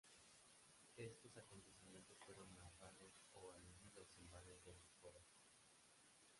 Estos acontecimientos fueron narrados o aludidos en varias de sus obras.